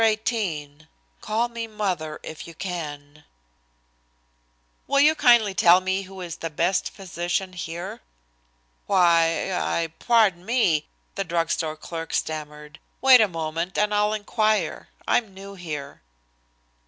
XVIII "CALL ME MOTHER IF YOU CAN" "Will you kindly tell me who is the best physician here?" "Why I pardon me " the drug store clerk stammered. "Wait a moment and I'll inquire. I'm new here."